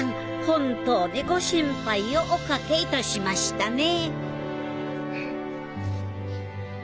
本当にご心配をおかけいたしましたね